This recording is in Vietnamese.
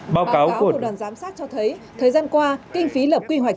báo cáo của đoàn giám sát cho thấy thời gian qua kinh phí lập quy hoạch